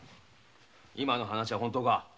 今の話本当か？